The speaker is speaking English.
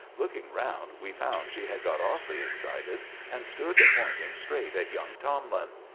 Looking round, we found she had got awfully excited, and stood pointing straight at young Tomlin.